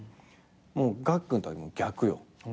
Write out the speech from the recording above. もうがっくんとは逆よ。